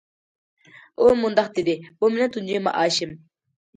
ئۇ مۇنداق دېدى: بۇ مېنىڭ تۇنجى مائاشىم.